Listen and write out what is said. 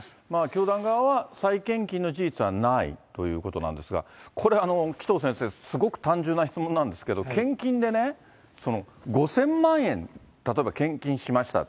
教団側は再献金の事実はないということなんですが、これ、紀藤先生、すごく単純な質問なんですけど、献金でね、５０００万円例えば献金しました。